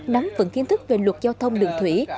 nắm vững kiến thức về luật giao thông đường thủy